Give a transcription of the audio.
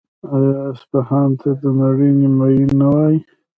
آیا اصفهان ته د نړۍ نیمایي نه وايي؟